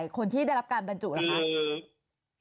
คนที่ได้รับการบรรจุเหรอคะ